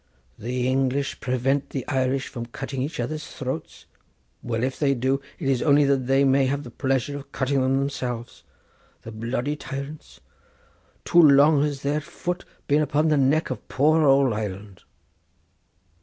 "The English prevent the Irish from cutting each other's throats! Well! if they do, it is only that they may have the pleasure of cutting them themselves. The bloody tyrants! too long has their foot been upon the neck of poor old Ireland."